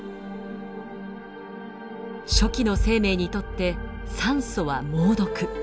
初期の生命にとって酸素は猛毒。